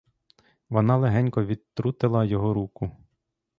Вона легенько відтрутила його руку.